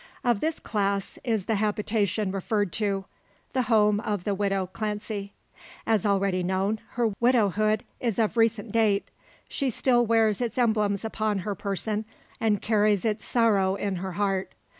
Of this class is the habitation referred to the home of the widow Clancy. As already known, her widowhood is of recent date. She still wears its emblems upon her person, and carries its sorrow in her heart.